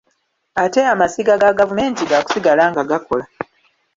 Ate amasiga ga gavumenti, gaakusigala nga gakola